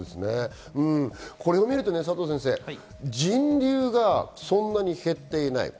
これを見ると人流はそんなに減っていない。